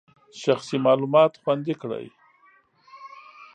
شخصي معلومات خوندي کړئ.